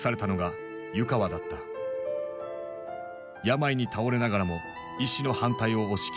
病に倒れながらも医師の反対を押し切って参加。